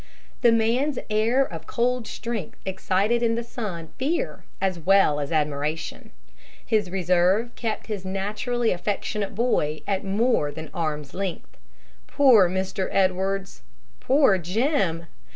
The man's air of cold strength excited in the son fear as well as admiration; his reserve kept his naturally affectionate boy at more than arm's length. Poor Mr. Edwards! Poor Jim!